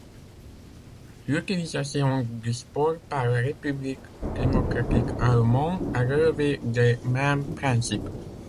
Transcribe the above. L'utilisation du sport par la République démocratique allemande a relevé des mêmes principes.